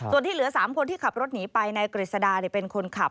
ส่วนที่เหลือ๓คนที่ขับรถหนีไปนายกฤษดาเป็นคนขับ